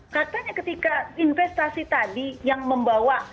katanya ketika investasi tadi yang membawa